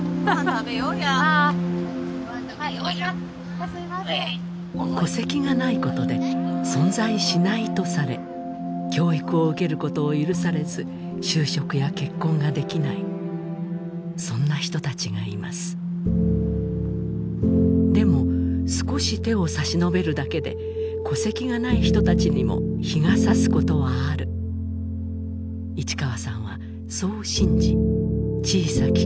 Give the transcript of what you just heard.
食べようああすいません戸籍がないことで存在しないとされ教育を受けることを許されず就職や結婚ができないそんな人たちがいますでも少し手を差し伸べるだけで戸籍がない人たちにも日がさすことはある市川さんはそう信じ小さき